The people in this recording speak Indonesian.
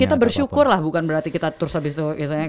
kita bersyukur lah bukan berarti kita terus habis itu